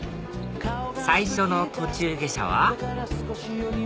最初の途中下車は？